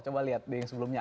coba lihat di sebelumnya